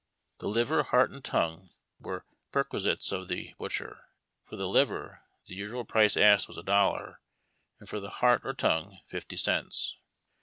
The liver, heart, and tongue were perquisites of the butch er. For the liver, the usual price asked was a dollar, and for the heart or tongue fifty cents.